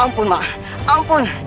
ampun ma ampun